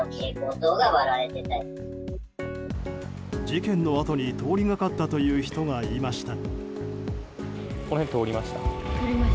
事件のあとに通りがかったという人がいました。